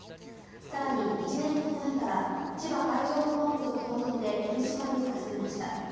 更に１年ほど前から千葉海上保安部と共同で取り締まりを始めました。